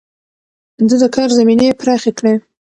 ده د کار زمينې پراخې کړې.